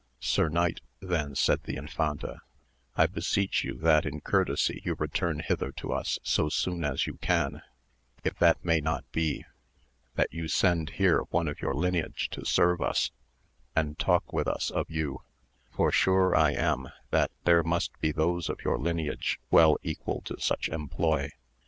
Sir knight, then said the Infanta, I beseech you that in courtesy you return hither to us so soon as you can, if that may not be that you send here one of your lineage to serve us, and talk with us of you, for sure I am that there must be those of your lineage well equal to such employ.